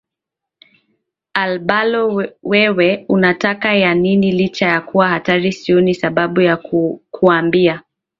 Albalo wewe unataka ya nini licha ya kuwa hatari sioni sababu ya kukuambia